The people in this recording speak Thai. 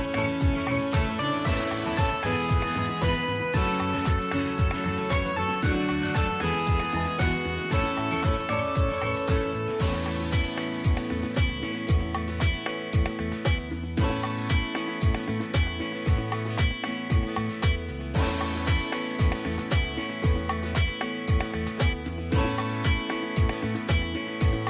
โปรดติดตามตอนต่อไป